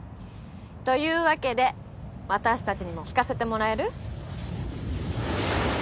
というわけで私たちにも聞かせてもらえる？